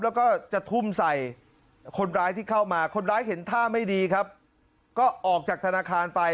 แล้วก็จะทุ่มใส่คนร้ายที่เข้ามาคนร้ายเห็นท่าไม่ดีครับก็ออกจากธนาคารไป